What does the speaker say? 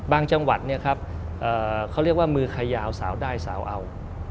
บางจังหวัดเขาเรียกว่ามือไขยาวสาวได้สาวเอา